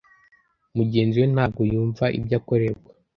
mugenzi we ntabwo yumva ibyo akorerwa